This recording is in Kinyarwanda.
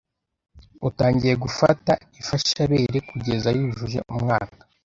utangiye gufata ifashabere kugeza yujuje umwaka.